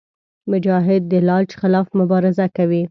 مجاهد د لالچ خلاف مبارزه کوي.